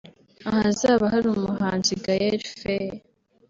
ahazaba hari umuhanzi Gael Faye